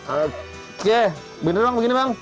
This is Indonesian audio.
oke bener bang begini bang